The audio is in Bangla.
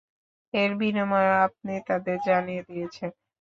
এর বিনিময়ও আপনি তাদের জানিয়ে দিয়েছেন।